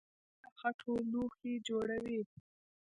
کولال د خټو لوښي جوړوي